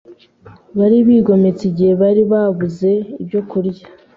bari bigometse igihe bari babuze ibyokurya;